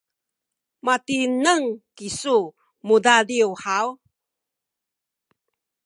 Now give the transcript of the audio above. matineng kisu mudadiw haw?